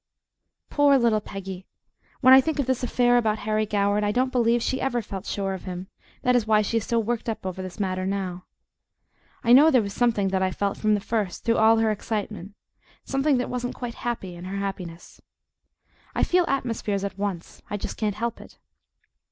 Poor little Peggy! When I think of this affair about Harry Goward I don't believe she ever felt sure of him; that is why she is so worked up over this matter now. I know there was something that I felt from the first through all her excitement, something that wasn't quite happy in her happiness. I feel atmospheres at once; I just can't help it.